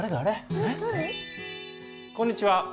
こんにちは。